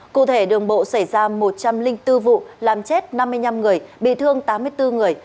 cụ thể đường bộ xảy ra một trăm linh bốn vụ làm chết năm mươi năm người bị thương tám mươi bốn người